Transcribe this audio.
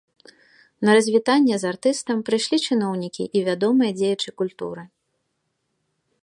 На развітанне з артыстам прыйшлі чыноўнікі і вядомыя дзеячы культуры.